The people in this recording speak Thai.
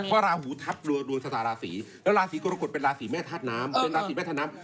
ภาราหูทะบรวมสาฬาศีธรรมกฏภาษีไม่ทิ้งทางน้ำ